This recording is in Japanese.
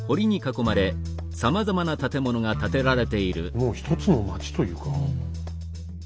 もう一つの町というか。